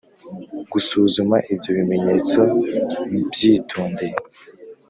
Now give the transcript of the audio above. Gusuzuma ibyo bimenyetso mbyitondeye